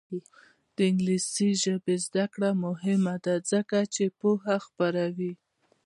د انګلیسي ژبې زده کړه مهمه ده ځکه چې پوهه خپروي.